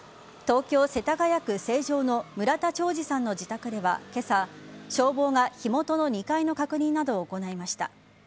東京・世田谷区成城の村田兆治さんの自宅では今朝、消防が火元の２階の確認などを行いました。